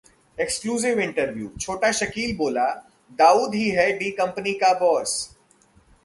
Exclusive interview: Chhota Shakeel बोला- दाऊद ही है D-कंपनी का बॉस